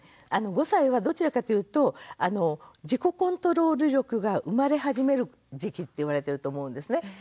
５歳はどちらかというと自己コントロール力が生まれ始める時期って言われてると思うんですね。